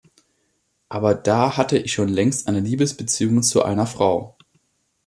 Aber da hatte ich schon längst eine Liebesbeziehung zu einer Frau.